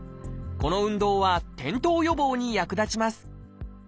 この運動は転倒予防に役立ちます